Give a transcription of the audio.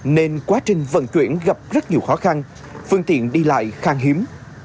nên quá trình vận chuyển gặp rất nhiều khó khăn phương tiện đi lại khang hiếm